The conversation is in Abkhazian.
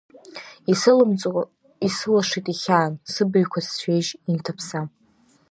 Исылымҵуа исылашит ихьаан, сыбаҩқәа сцәеижь инҭаԥса.